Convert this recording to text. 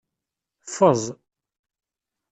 Ffeẓ.